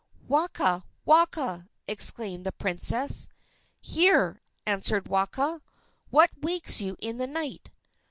"Waka! Waka!" exclaimed the princess. "Here!" answered Waka. "What wakes you in the night?"